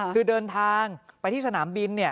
คือเดินทางไปที่สนามบิน